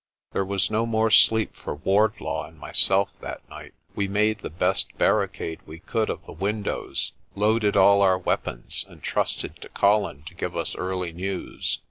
There was no more sleep for Wardlaw and myself that night. We made the best barricade we could of the windows, loaded all our weapons, and trusted to Colin to give us early news.